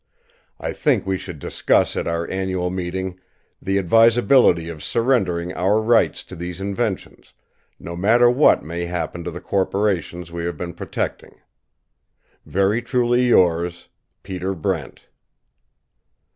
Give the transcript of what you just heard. I think we should discuss at our annual meeting the advisability of surrendering our rights to these inventions, no matter what may happen to the corporations we have been protecting. Very truly yours, PETER BRENT.